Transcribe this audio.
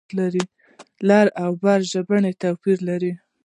لر او بر ژبنی توپیر لري.